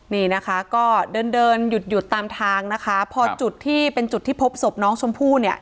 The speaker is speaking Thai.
นี่นะคะก็เดินหยุดตามทางนะคะพอจุดที่เพิ่มจุดที่พบสม้องน้องชมพู่เนี่ย